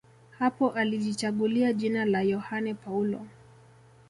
Hapo alijichagulia jina la Yohane Paulo